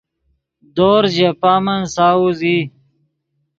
دورز ژے پامن ساؤز ای